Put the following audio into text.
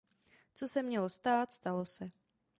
Co se mělo stát, stalo se.